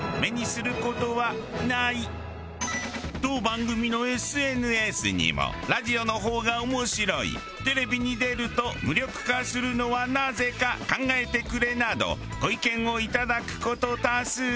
当番組のＳＮＳにも「ラジオの方が面白い」「テレビに出ると無力化するのはなぜか考えてくれ」などご意見を頂く事多数。